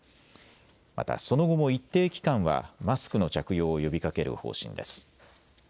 またその後も一定期間はマスクの着用を呼びかける方針です。